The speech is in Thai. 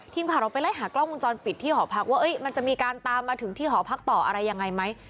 ทีมข่าวเราไปไล่หากล้องวงจรปิดที่หอพักว่ามันจะมีการตามมาถึงที่หอพักต่ออะไรยังไงไหม